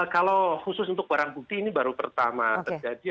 kalau khusus untuk barang bukti ini baru pertama terjadi